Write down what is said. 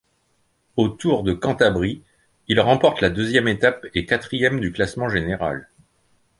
Au Tour de Cantabrie, il remporte la deuxième étape et quatrième du classement général.